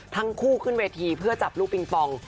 ทั้งคู่ขึ้นเวทีเพื่อจับลูกปิงปอง